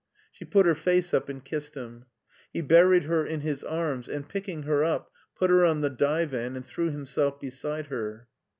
She put her face up and kissed him. He buried her in his arms, and, picking her up, put her on the divan and threw himself beside her.